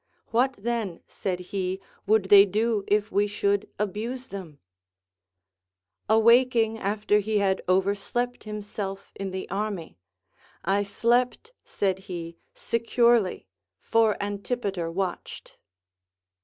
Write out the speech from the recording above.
What then, said he, would they do if we should abuse them ? Awaking after he had overslept himself in the army ; I slept, said he, securely, for Antipater watched.